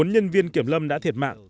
một mươi bốn nhân viên kiểm lâm đã thiệt mạng